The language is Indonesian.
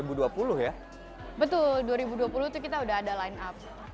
betul dua ribu dua puluh itu kita udah ada line up